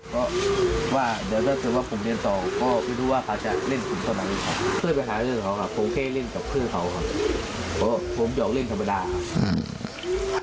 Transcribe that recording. เพราะว่าเดี๋ยวถ้าเกิดว่าผมเรียนต่อก็ไม่รู้ว่าเขาจะเล่นผมเท่านั้นค่ะเพื่อนไปหาเรื่องของเขาค่ะผมแค่เล่นกับเพื่อนเขาค่ะเพราะว่าผมอยากเล่นธรรมดาค่ะ